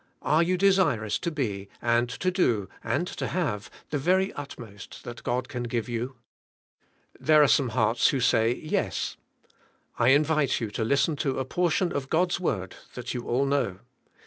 Are you desirous to be, and to do, and to have, the very ut most that God can give you ? There are some hearts who say. Yes. I invite you to listen to a portion of God's word that you all know.